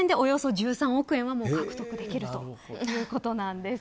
この時点で、およそ１３億円は獲得できるということなんです。